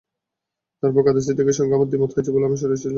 তারপর কাদের সিদ্দিকীর সঙ্গে আমার দ্বিমত হয়েছে বলে আমি সরে এসেছিলাম।